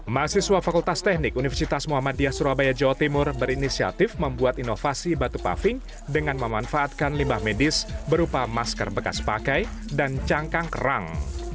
mahasiswa fakultas teknik universitas muhammadiyah surabaya jawa timur berinisiatif membuat inovasi batu paving dengan memanfaatkan limbah medis berupa masker bekas pakai dan cangkang kerang